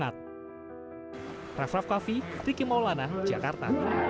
harus tetap kuat dan menjaga semangat